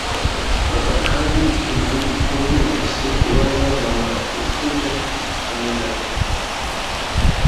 papa ntakindi kintu akoze ahise abaza mama ati ese jack ameze ate!